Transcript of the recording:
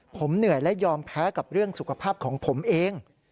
ผมเหนื่อยและยอมแพ้กับเรื่องสุขภาพของผมเอง